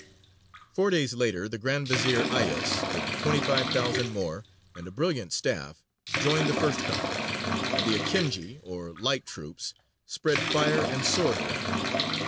Four days later the Grand Vezīr Ayās, with twenty five thousand more and a brilliant staff, joined the first comers, and the Akinji or light troops spread fire and sword around.